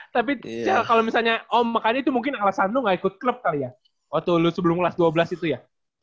tapi kalau misalnya om makanya itu mungkin alasan lo gak ikut klub kali ya waktu lu sebelum kelas dua belas itu ya